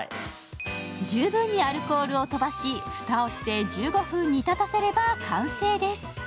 十分にアルコールを飛ばし蓋をして１５分煮立たせれば完成です。